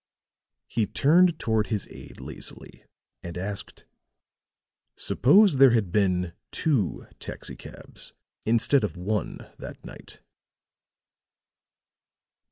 He turned toward his aide lazily and asked: "Suppose there had been two taxi cabs instead of one that night?"